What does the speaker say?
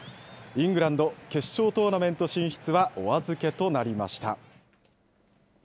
イングランド、決勝トーナメント進出はお預けとなりました。